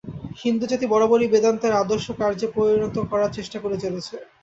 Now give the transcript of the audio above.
হিন্দুজাতি বরাবরই বেদান্তের আদর্শ কার্যে পরিণত করার চেষ্টা করে চলেছে।